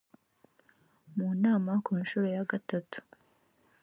munama kunshuro ya gatatu